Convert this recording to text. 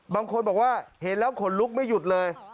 บางคนบอกว่าเห็นแล้วขนลุกไม่หยุดเลย